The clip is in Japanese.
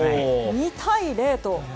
２対０と。